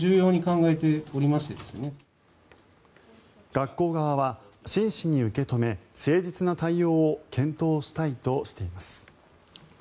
学校側は、真摯に受け止め誠実な対応を検討したいとしています。